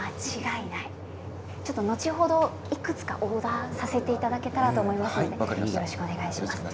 後ほどオーダーさせていただきたいと思いますのでよろしくお願いします。